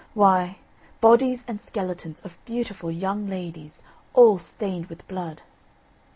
Why, bodies and skeletons of beautiful young ladies all stained with blood.